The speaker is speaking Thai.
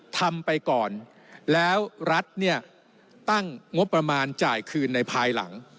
ทำไปก่อนแล้วรัฐเนี่ยตั้งงบประมาณจ่ายคืนในภายหลัง